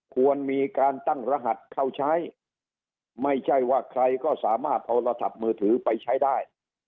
ควรมีการตั้งรหัสเข้าใช้ไม่ใช่ว่าใครก็สามารถเอาโทรศัพท์มือถือไปใช้ได้